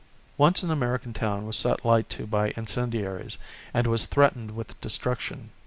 Once an American town was set light to by incendiaries, and was threatened with destruction.